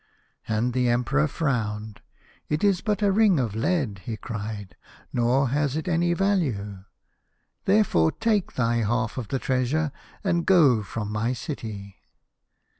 " And the Emperor frowned. ' It is but a ring of lead,' he cried, ' nor has it any value. Therefore take thy half of the treasure and go from my city.